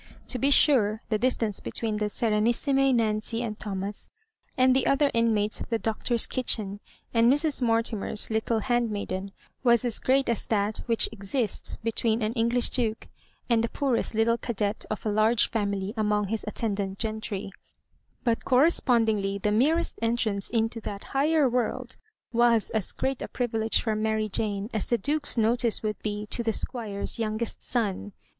To be sure the dis tance between the Serenissime Nancy and Tho mas, and the other inmates of the Doctors kitchen, and Mrs. Mortimer's little handmaiden, was as great as that which exists between an English duke and the poorest little cadet of a large &mily among his attendant gentry ; but, corre spondingly, the merest entrance into that higher world was as great a privilege for Mary Jane^ as the Duke's notice would be to the Squire's youngest son.